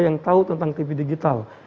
yang tahu tentang tv digital